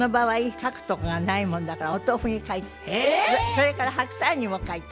それから白菜にも書いた。